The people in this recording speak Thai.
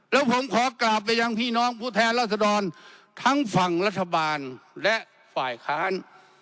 แล้วผมขอกราบไปยังพี่น้องผู้แทนรัศดรทั้งฝั่งรัฐบาลและฝ่ายค้าน